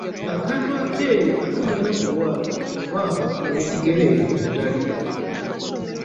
Akantu akeeru akamera ku lwala oba ow’ekigere omutali kannya.